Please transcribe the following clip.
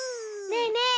ねえねえ